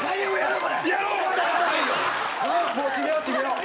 もう締めよう締めよう。